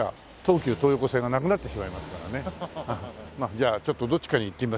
じゃあちょっとどっちかに行ってみましょう。